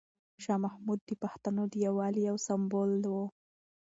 شاه محمود د پښتنو د یووالي یو سمبول و.